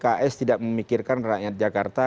pks tidak memikirkan rakyat jakarta